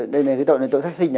đây này cái tội là tội sát sinh à